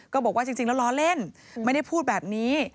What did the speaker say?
ก็บอกว่าจริงแล้วล้อเล่นไม่ได้พูดแบบนี้